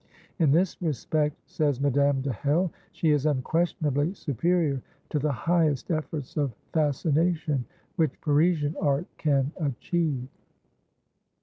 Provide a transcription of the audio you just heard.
"In this respect," says Madame de Hell, "she is unquestionably superior to the highest efforts of fascination which Parisian art can achieve."